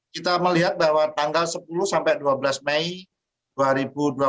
kita melihat bahwa tanggal sepuluh dua belas mei